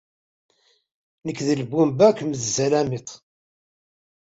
Nekk d lbumba, kemmini d zzalamiḍ.